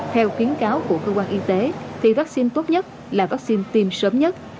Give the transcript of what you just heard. theo khuyến cáo của cơ quan y tế thì vaccine tốt nhất là vaccine tiêm sớm nhất